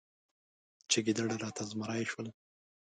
چې ګیدړ راته زمری شول.